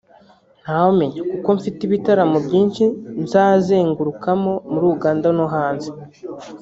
nta wamenya kuko mfite ibitaramo byinshi nzazengurukamo muri Uganda no hanze